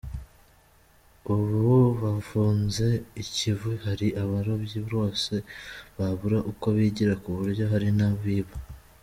Ubu bafunze Ikivu hari abarobyi rwose Babura uko bigira ku buryo hari n’abiba.